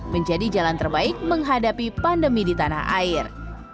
menjadi jalan terbaik menghadapi pandemi di tanah air